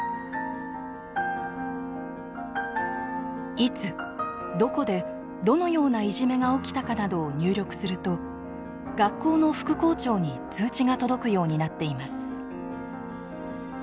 いつどこでどのようないじめが起きたかなどを入力すると学校の副校長に通知が届くようになっています。